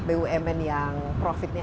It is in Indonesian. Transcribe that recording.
bumn yang profitnya